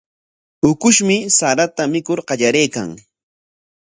Ukushmi sarata mikur qallariykan.